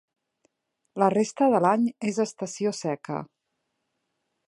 La resta de l'any és estació seca.